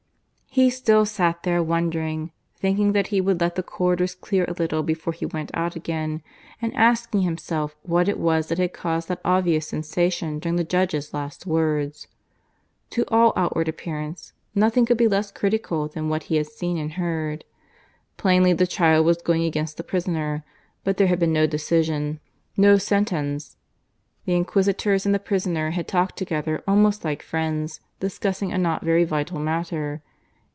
(II) He still sat there wondering, thinking that he would let the corridors clear a little before he went out again, and asking himself what it was that had caused that obvious sensation during the judge's last words. To all outward appearance, nothing could be less critical than what he had seen and heard. Plainly the trial was going against the prisoner, but there had been no decision, no sentence. The inquisitors and the prisoner had talked together almost like friends discussing a not very vital matter.